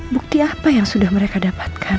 bukti apa yang sudah mereka dapatkan